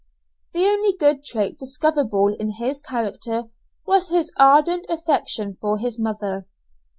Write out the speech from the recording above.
The only good trait discoverable in his character was his ardent affection for his mother.